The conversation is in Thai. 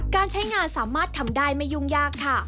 การใช้งานสามารถทำได้ไม่ยุ่งยากค่ะ